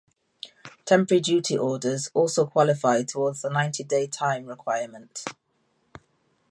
Temporary duty orders also qualify towards the ninety-day time requirement.